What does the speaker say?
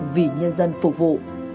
vì nhân dân phục vụ